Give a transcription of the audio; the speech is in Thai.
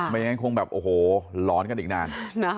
ไม่งั้นคงแบบโอ้โหหลอนกันอีกนาน